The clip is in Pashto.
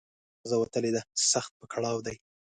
د احمد پزه وتلې ده؛ سخت په کړاو دی.